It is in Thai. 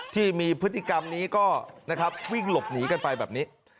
ที่มีพฤติกรรมนี้ก็นะครับวิ่งหลบหนีกันไปแบบนี้